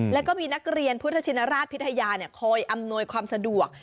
แล้วก็มีนักเรียนพุทธชินราชพิทยาคอยอำนวยความสะดวก